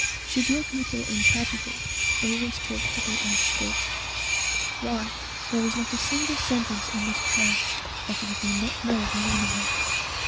Should your People in Tragedy always talk to be understood? Why, there is not a single Sentence in this Play that I do not know the Meaning of.